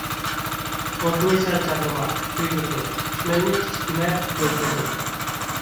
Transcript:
ئوتنى سەل چاغلىما، كۆيدۈرىدۇ، دۈشمەننى كىچىك دىمە، ئۆلتۈرىدۇ.